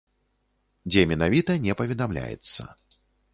Дзе менавіта, не паведамляецца.